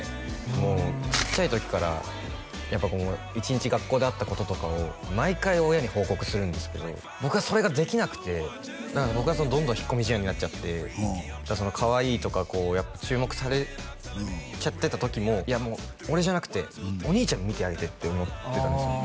もうちっちゃい時からやっぱこう一日学校であったこととかを毎回親に報告するんですけど僕はそれができなくてだから僕はどんどん引っ込み思案になっちゃって「かわいい」とか注目されちゃってた時もいやもう俺じゃなくてお兄ちゃん見てあげてって思ってたんですよ